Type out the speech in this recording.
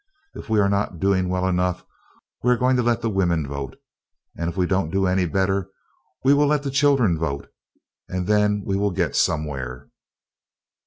If we are not doing well enough we are going to let the women vote; then if we don't do any better we will let the children vote, and then we will get somewhere.